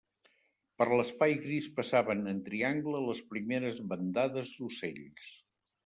Per l'espai gris passaven en triangle les primeres bandades d'ocells.